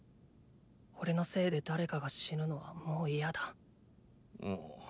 俺のせいで誰かが死ぬのはもういやだ。